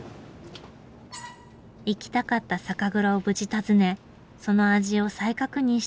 行きたかった酒蔵を無事訪ねその味を再確認した六角さん。